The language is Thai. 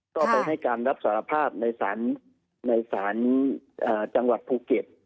ก็ไปให้การรับสารภาพในศาลจังหวัดภูเก็ต